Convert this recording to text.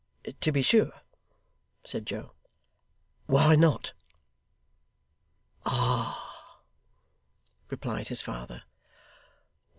'To be sure,' said Joe. 'Why not?' 'Ah!' replied his father.